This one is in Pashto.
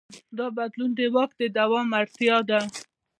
دا بدلون د واک د دوام اړتیا ده.